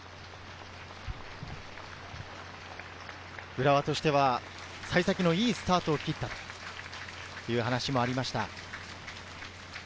浦和としては幸先のいいスタートを切ったという話がありました。